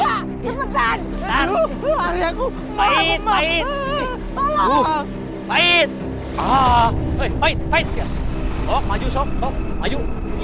hai baik baik maju maju